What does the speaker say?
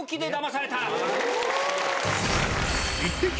イッテＱ！